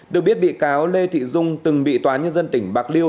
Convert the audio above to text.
được biết bị cáo lê thị dung từng bị tòa nhân dân tỉnh bạc liêu